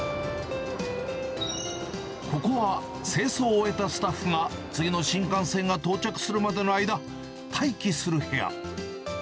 ここは、清掃を終えたスタッフが次の新幹線が到着するまでの間、待機する部屋。